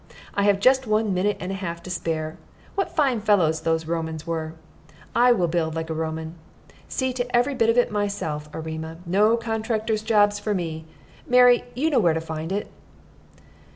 I have just one minute and a half to spare. What fine fellows those Romans were! I will build like a Roman. See to every bit of it myself, Erema. No contractor's jobs for me. Mary, you know where to find it."